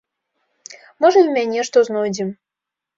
Можа і ў мяне што знойдзем.